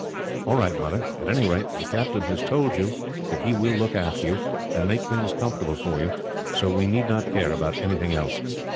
"All right, Mother. At any rate, the captain has told you that he will look after you, and make things comfortable for you, so we need not care about anything else."